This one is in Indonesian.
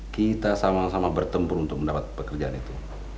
kita sama sama bertempur untuk mendapat pekerjaan itu